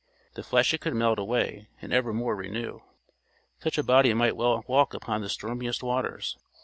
The flesh it could melt away and evermore renew. Such a body might well walk upon the stormiest waters.